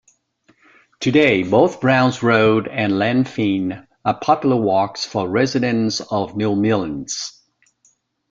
Today, both Browns Road and Lanfine are popular walks for residents of Newmilns.